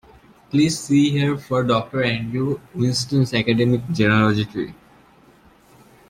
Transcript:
Please see here for Doctor Andrew Whinston's Academic Genealogy Tree.